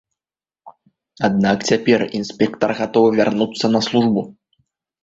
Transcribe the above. Аднак цяпер інспектар гатовы вярнуцца на службу.